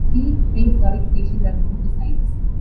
Three prehistoric species are known to science.